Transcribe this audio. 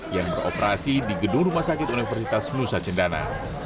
yang beroperasi di gedung rumah sakit universitas nusa cendana